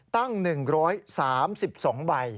ตั้ง๑๓๒ใบ